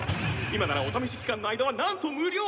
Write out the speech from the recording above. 「今ならお試し期間の間はなんと無料！」